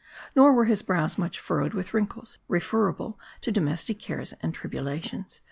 Nor were his brows much furrowed with wrin kles referable to domestic cares and tribulations.